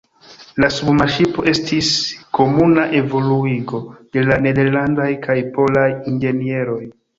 La submarŝipo estis komuna evoluigo de la nederlandaj kaj polaj inĝenieroj.